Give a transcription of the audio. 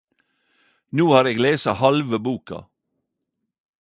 No har eg lese halve boka.